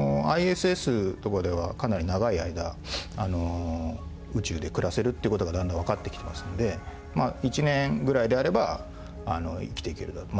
ＩＳＳとかではかなり長い間宇宙で暮らせるって事がだんだんわかってきてますので１年ぐらいであれば生きていけるだろう。